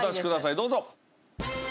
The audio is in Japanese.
どうぞ。